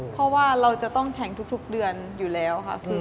เพราะว่าเราจะต้องแข่งทุกเดือนอยู่แล้วค่ะ